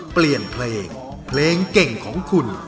เปลี่ยนเพลงเพลงเก่งของคุณ